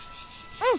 うん。